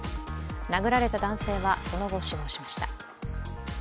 殴られた男性はその後、死亡しました。